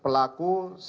selama sekian hari